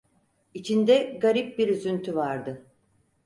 İçinde garip bir üzüntü vardı.